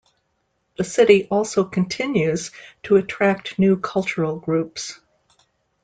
The City also continues to attract new cultural groups.